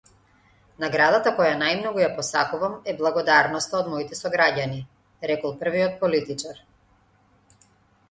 Наградата која најмногу ја посакувам е благодарноста од моите сограѓани, рекол првиот политичар.